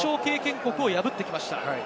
国を破ってきました。